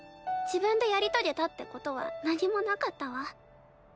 自分でやり遂げたってことは何もなかったわ。